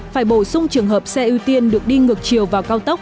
phải bổ sung trường hợp xe ưu tiên được đi ngược chiều vào cao tốc